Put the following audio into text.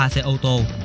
ba xe ô tô